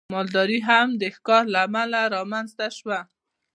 مالداري هم د ښکار له امله رامنځته شوه.